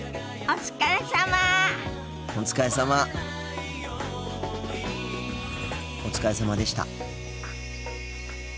お疲れさまでした。